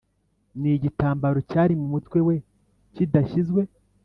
n igitambaro cyari mu mutwe we kidashyizwe